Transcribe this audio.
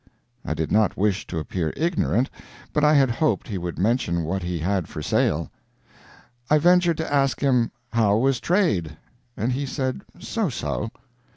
[I did not wish to appear ignorant, but I had hoped he would mention what he had for sale.] I ventured to ask him "How was trade?" And he said "So so."